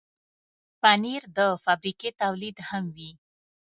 پنېر د فابریکې تولید هم وي.